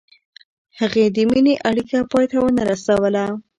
هغې د مینې اړیکه پای ته ونه رسوله.